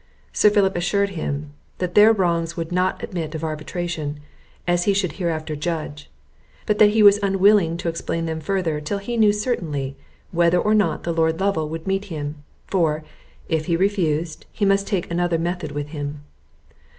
Sir Philip assured him, that their wrongs would not admit of arbitration, as he should hereafter judge; but that he was unwilling to explain them further till he knew certainly whether or not the Lord Lovel would meet him; for, if he refused, he must take another method with him.